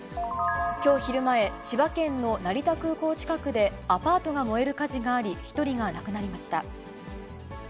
きょう昼前、千葉県の成田空港近くでアパートが燃える火事があり、１人が亡くなりました。